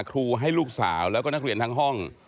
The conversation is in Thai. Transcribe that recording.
ครูให้ลูกสาวแล้วก็นักเรียนทั้งห้อง